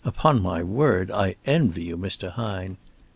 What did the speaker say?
Upon my word, I envy you, Mr. Hine.